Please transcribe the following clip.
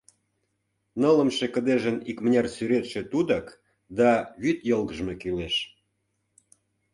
Нылымше кыдежын икмыняр сӱретше тудак да, вӱд йылгыжме кӱлеш.